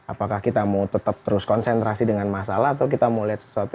apakah kita mau tetap terus konsentrasi dengan masalah atau kita mau lihat sesuatu